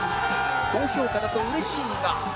好評価だとうれしいが